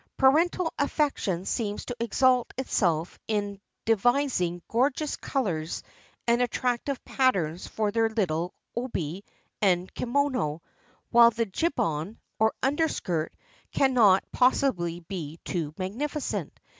Parental affection seems to exhaust itself in devising gorgeous colors and attractive patterns for their little ohi and kimono, while the jihan, or underskirt, cannot possibly be too magnificent.